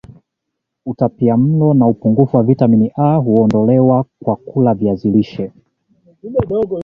utapiamlo na upungufu wa vitamini A huondolewa kwa kula viazi lishe